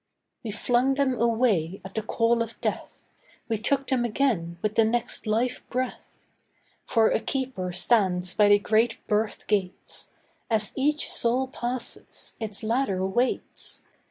We flung them away at the call of death, We took them again with the next life breath. For a keeper stands by the great birth gates; As each soul passes, its ladder waits.